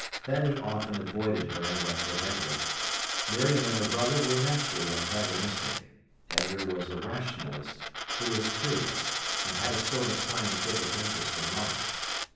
Then he often avoided her and went with Edgar. Miriam and her brother were naturally antagonistic. Edgar was a rationalist, who was curious, and had a sort of scientific interest in life.